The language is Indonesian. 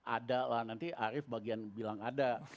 ada lah nanti arief bagian bilang ada